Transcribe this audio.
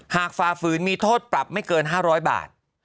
ฝ่าฝืนมีโทษปรับไม่เกิน๕๐๐บาท